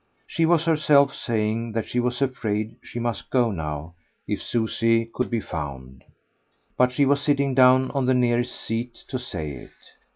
She was herself saying that she was afraid she must go now if Susie could be found; but she was sitting down on the nearest seat to say it.